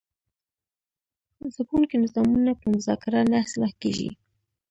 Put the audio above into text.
ځپونکي نظامونه په مذاکره نه اصلاح کیږي.